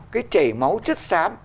cái chảy máu chất xám